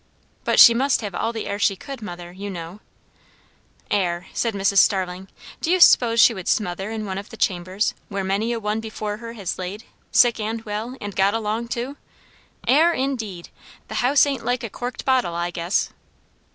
"But she must have all the air she could, mother, you know." "Air!" said Mrs. Starling. "Do you s'pose she would smother in one of the chambers, where many a one before her has laid, sick and well, and got along too? Air, indeed! The house ain't like a corked bottle, I guess."